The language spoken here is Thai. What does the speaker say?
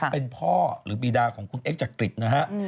เป็นพ่อหรือบีดาของคุณเอ็กจักริตนะฮะ